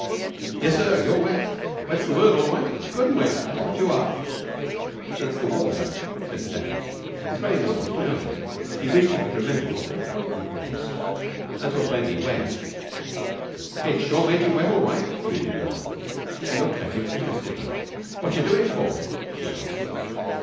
"Yessir, you're wet! Wet's the word all right. Good and wet, that's what you are!" "It's the water," said Sam. His brain was still clouded; he wished he could remember what that appointment was. "That's what has made me wet." "It's sure made you wet all right," agreed the girl. She looked at him interestedly. "Wotcha do it for?" she asked.